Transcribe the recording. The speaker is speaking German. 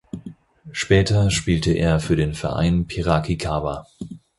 Später spielte er für den Verein Piracicaba.